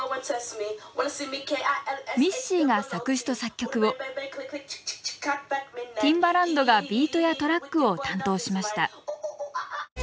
ミッシーが作詞と作曲をティンバランドがビートやトラックを担当しました。